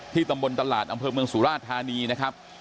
ตำบลตลาดอำเภอเมืองสุราชธานีนะครับ